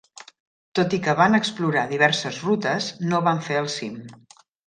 Tot i que van explorar diverses rutes, no van fer el cim.